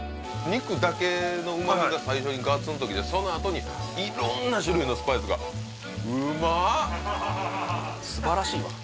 肉だけの旨味が最初にガツンと来てそのあとに色んな種類のスパイスがうまっ素晴らしいわ